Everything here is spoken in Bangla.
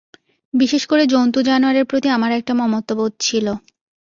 বিশেষ করে জন্তু-জানোয়ারের প্রতি আমার একটা মমত্ববোধ ছিল।